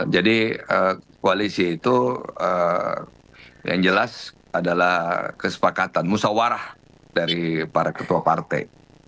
jadi koalisi itu yang jelas adalah kesepakatan musyawarah dari para ketua partai